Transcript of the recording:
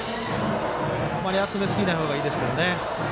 あんまり集めすぎないほうがいいですけどね。